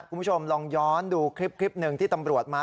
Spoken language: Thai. คุณผู้ชมลองย้อนดูคลิปหนึ่งที่ตำรวจมา